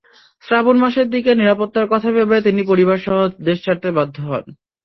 শ্রাবণ মাসের দিকে নিরাপত্তার কথা ভেবে তিনি পরিবারসহ দেশ ছাড়তে বাধ্য হন।